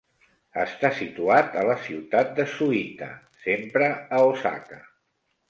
Està situat a la ciutat de Suita, sempre a Osaka.